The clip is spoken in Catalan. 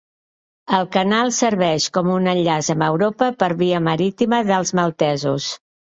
El canal serveix com un enllaç amb Europa per via marítima dels maltesos.